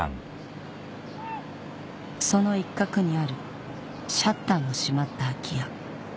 その一角にあるシャッターの閉まった空き家